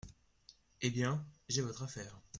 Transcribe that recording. Eh bien, j’ai votre affaire…